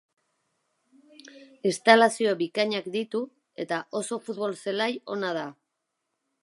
Instalazio bikainak ditu, eta oso futbol-zelai ona da.